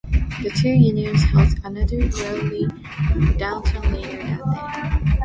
The two unions held another rally downtown later that day.